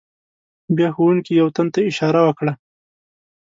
بیا ښوونکي یو تن ته اشاره وکړه.